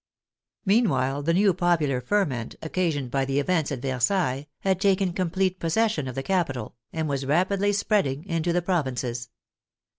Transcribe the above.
Meanwhile the new popular ferment occasioned by the events at Versailles had taken complete possession of the capital, and was rapidly spreading into the provinces.